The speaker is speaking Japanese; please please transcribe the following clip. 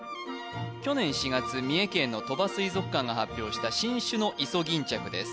去年４月三重県の鳥羽水族館が発表した新種のイソギンチャクです